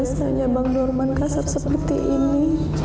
sejak dia menjadi kaya dan memiliki